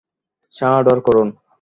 চা অর্ডার করুন।